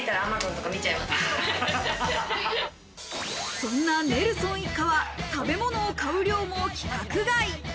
そんなネルソン一家は食べ物を買う量も規格外。